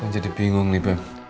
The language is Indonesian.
kan jadi bingung nih beb